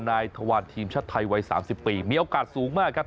นายทวารทีมชาติไทยวัยสามสิบปีมีโอกาสสูงมากครับ